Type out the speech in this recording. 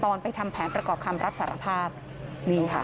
โชว์บ้านในพื้นที่เขารู้สึกยังไงกับเรื่องที่เกิดขึ้น